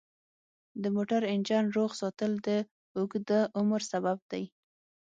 د موټر انجن روغ ساتل د اوږده عمر سبب دی.